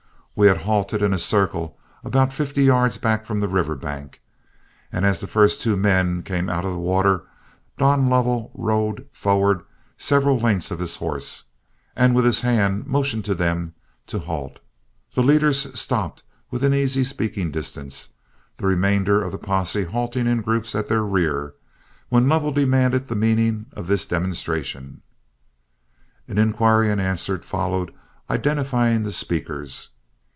We had halted in a circle about fifty yards back from the river bank, and as the first two men came out of the water, Don Lovell rode forward several lengths of his horse, and with his hand motioned to them to halt. The leaders stopped within easy speaking distance, the remainder of the posse halting in groups at their rear, when Lovell demanded the meaning of this demonstration. An inquiry and answer followed identifying the speakers.